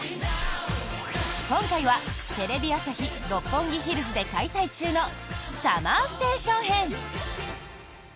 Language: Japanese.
今回は、テレビ朝日・六本木ヒルズで開催中のＳＵＭＭＥＲＳＴＡＴＩＯＮ編。